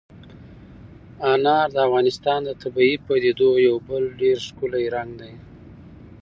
انار د افغانستان د طبیعي پدیدو یو بل ډېر ښکلی رنګ دی.